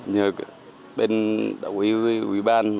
nhờ bên đảng ủy quý ban